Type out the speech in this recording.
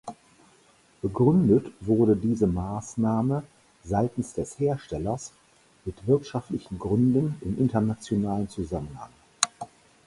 Begründet wurde diese Maßnahme seitens des Herstellers mit wirtschaftlichen Gründen im internationalen Zusammenhang.